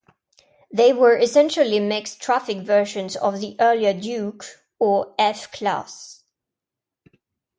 They were essentially mixed traffic versions of the earlier "Duke" or F class.